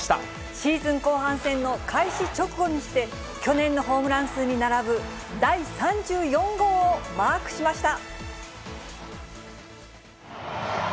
シーズン後半戦の開始直後にして、去年のホームラン数に並ぶ、第３４号をマークしました。